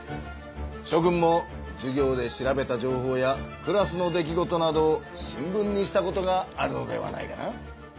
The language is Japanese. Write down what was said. しょ君もじゅ業で調べた情報やクラスの出来事などを新聞にしたことがあるのではないかな。